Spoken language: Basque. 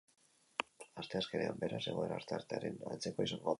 Asteazkenean, beraz, egoera asteartearen antzekoa izango da.